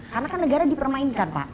karena kan negara dipermainkan pak